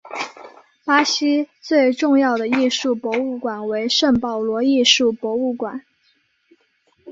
巴西最重要的艺术博物馆为圣保罗艺术博物馆。